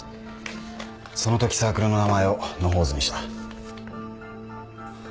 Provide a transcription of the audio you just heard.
そのときサークルの名前を野放図にした。